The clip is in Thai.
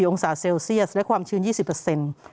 องศาเซลเซียสและความชื้น๒๐เปอร์เซ็นต์